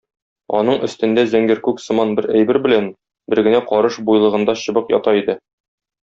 Аның өстендә зәңгәр күк сыман бер әйбер белән бер генә карыш буйлыгында чыбык ята иде.